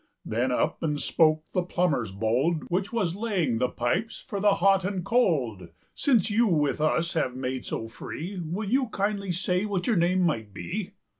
Then up and spoke the plumbyers bold, Which was laying the pipes for the hot and cold;"Since you with us have made so free, Will you kindly say what your name might be?"